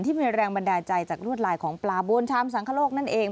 ที่เป็นแรงบันดาลใจจากรวดลายของปลาบวนชามสังคโลกนั่นเอง